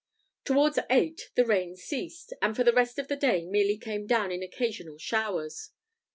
Towards eight the rain ceased; and for the rest of the day merely came down in occasional showers.